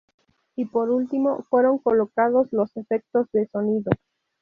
Y por último fueron colocados los efectos de sonido.